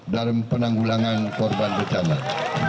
dalam penanggulangan korban berjalan